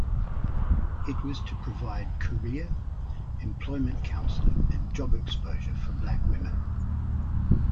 It was to provide career, employment counseling, and job exposure for black women.